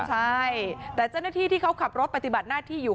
ใช่แต่เจ้าหน้าที่ที่เขาขับรถปฏิบัติหน้าที่อยู่